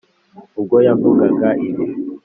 ubwo yavugaga ibi,